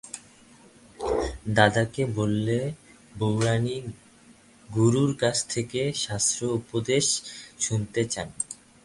দাদাকে বললে, বউরানী গুরুর কাছ থেকে শাস্ত্র-উপদেশ শুনতে চান।